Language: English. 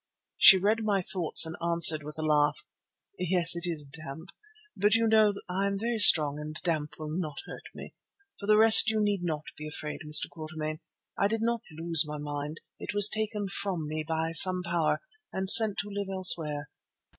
She read my thoughts and answered with a laugh: "Yes, it is damp; but you know I am very strong and damp will not hurt me. For the rest you need not be afraid, Mr. Quatermain. I did not lose my mind. It was taken from me by some power and sent to live elsewhere.